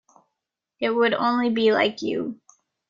It would only be like you.